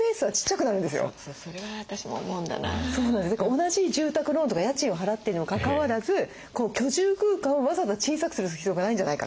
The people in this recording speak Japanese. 同じ住宅ローンとか家賃を払っているにもかかわらず居住空間をわざわざ小さくする必要がないんじゃないかと。